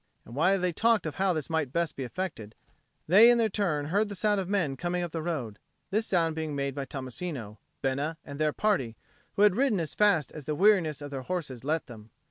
And while they talked of how this might best be effected, they in their turn heard the sound of men coming up the road, this sound being made by Tommasino, Bena, and their party, who had ridden as fast as the weariness of their horses let them.